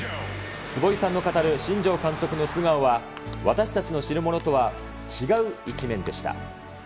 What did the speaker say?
坪井さんの語る新庄監督の素顔は、私たちの知るものとは違う一面でした。